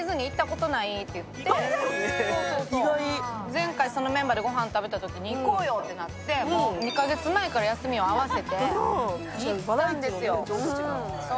前回、そのメンバーでごはん食べたときに行こうよってなって２か月前から休みを合わせて行ったんですよ。